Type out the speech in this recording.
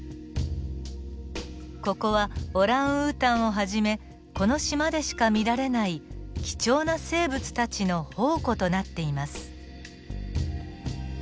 ここはオランウータンをはじめこの島でしか見られない貴重な生物たちの宝庫となっています。